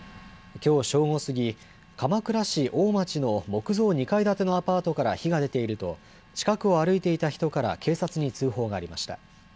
きょう正午過ぎ、鎌倉市大町の木造２階建てのアパートから火が出ていると近くを歩いていた人から警察に通報がありました。